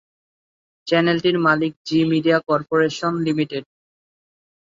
চ্যানেলটির মালিক Zee Media Corporation limited.